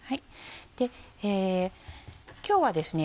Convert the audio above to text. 今日はですね